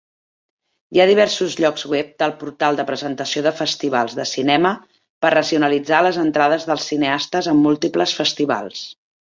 Hi ha diversos llocs web del portal de presentació de festivals de cinema per racionalitzar les entrades dels cineastes en múltiples festivals.